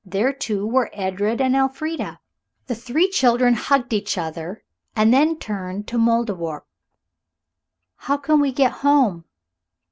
There, too, were Edred and Elfrida. The three children hugged each other, and then turned to the Mouldiwarp. "How can we get home?"